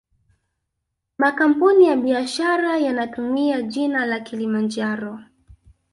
Makampuni ya biashara yanatumia jina la kilimanjaro